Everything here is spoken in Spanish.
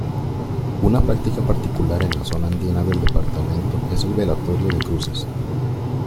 Una práctica particular en la zona andina del departamento es el velatorio de cruces.